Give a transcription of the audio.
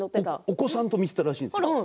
お子さんと見ていたらしいんですよ